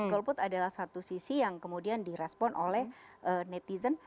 golput adalah satu sisi yang kemudian direspon oleh netizen